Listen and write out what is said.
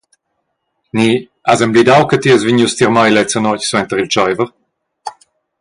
Ni has emblidau che ti eis vegnius tier mei lezza notg suenter il tscheiver?